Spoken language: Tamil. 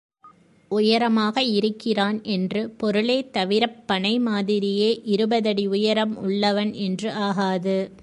உயரமாக இருக்கிறான் என்று பொருளே தவிரப் பனை மாதிரியே இருபதடி உயரம் உள்ளவன் என்று ஆகாது.